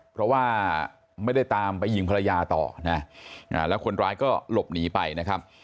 เพราะว่าไม่ได้ตามไปยิงภรรยาต่อนะแล้วคนร้ายก็หลบหนีไปนะครับ